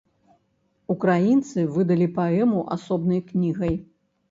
Украінцы выдалі паэму асобнай кнігай.